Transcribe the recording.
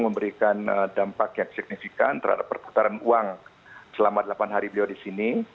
memberikan dampak yang signifikan terhadap perputaran uang selama delapan hari beliau di sini